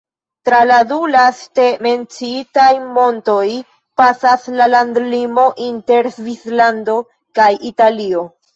Tra la du laste menciitaj montoj pasas la landlimo inter Svislando kaj Italio.